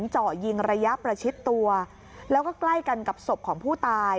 เจาะยิงระยะประชิดตัวแล้วก็ใกล้กันกับศพของผู้ตาย